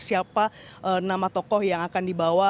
siapa nama tokoh yang akan dibawa